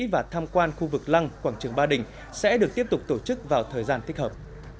và tham quan khu vực lăng quảng trường ba đình sẽ được tiếp tục tổ chức vào thời gian thích hợp